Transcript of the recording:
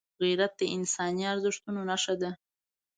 غیرت د انساني ارزښتونو نښه ده